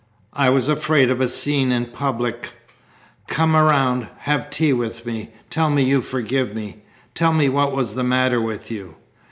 I was afraid of a scene in public. Come around. Have tea with me. Tell me you forgive me. Tell me what was the matter with you."